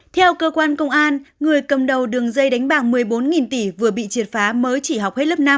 theo cơ quan công an người cầm đầu đường dây đánh bạc một mươi bốn tỷ vừa bị triệt phá mới chỉ học hết lớp năm